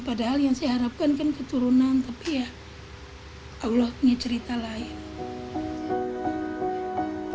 padahal yang saya harapkan kan keturunan tapi ya allah punya cerita lain